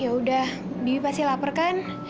ya udah bibi pasti lapar kan